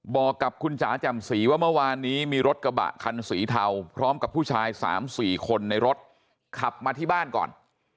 บอกกับคุณจ๋าแจ่มสีว่าเมื่อวานนี้มีรถกระบะคันสีเทาพร้อมกับผู้ชาย๓๔คนในรถขับมาที่บ้านก่อน